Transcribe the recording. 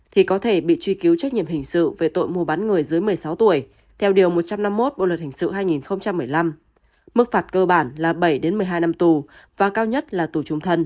thì có thể bị truy cứu trách nhiệm hình sự về tội mua bán người dưới một mươi sáu tuổi theo điều một trăm năm mươi một bộ luật hình sự hai nghìn một mươi năm